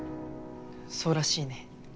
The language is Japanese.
そうらしいね。